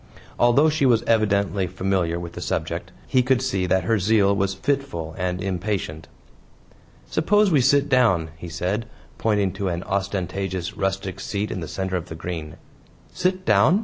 Although she was evidently familiar with the subject, he could see that her zeal was fitful and impatient. "Suppose we sit down," he said, pointing to an ostentatious rustic seat in the center of the green. "Sir down?"